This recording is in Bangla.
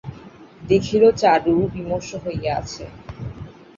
দেখিল চারু বিমর্ষ হইয়া আছে।